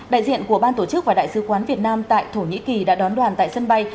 đại diện của ban tổ chức và đại sứ quán việt nam tại thổ nhĩ kỳ đã đón đoàn tại sân bay